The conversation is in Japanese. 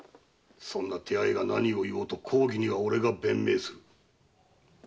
そんな手合いが何を言おうと公儀には俺が弁明する。